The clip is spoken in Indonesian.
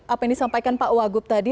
apa yang disampaikan pak wagub tadi